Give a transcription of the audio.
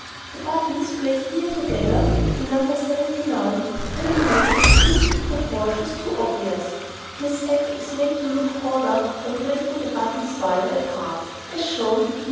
The buttons placed so near together, in No. 79, really make his toothpick proportions too obvious. His back is made to look broader by placing the buttons wider apart, as shown in No.